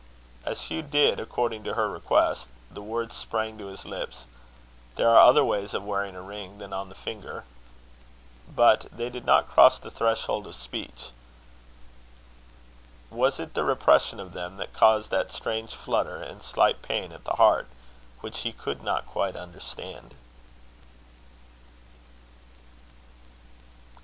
As Hugh did according to her request, the words sprang to his lips, "There are other ways of wearing a ring than on the finger." But they did not cross the threshold of speech. Was it the repression of them that caused that strange flutter and slight pain at the heart, which he could not quite understand?